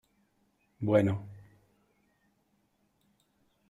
bueno...